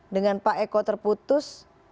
dengan pak eko terputus